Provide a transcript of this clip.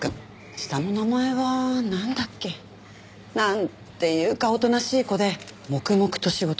下の名前はなんだっけ？なんていうかおとなしい子で黙々と仕事してた。